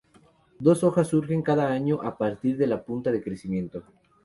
Dos hojas surgen cada año a partir de la punta de crecimiento.